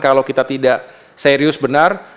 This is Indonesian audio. kalau kita tidak serius benar